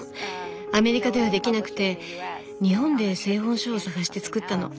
アメリカではできなくて日本で製本所を探して作ったの。